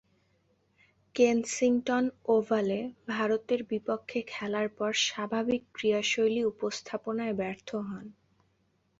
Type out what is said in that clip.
Kensington ওভালে ভারতের বিপক্ষে খেলার পর স্বাভাবিক ক্রীড়াশৈলী উপস্থাপনায় ব্যর্থ হন।